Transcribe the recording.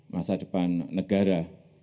masa depan negara